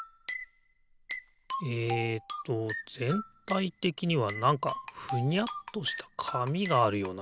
えっとぜんたいてきにはなんかふにゃっとしたかみがあるよな。